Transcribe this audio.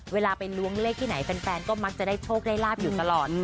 เวลาไปล้วงเลขที่ไหนแฟนก็มักจะได้โชคได้ลาบอยู่ตลอด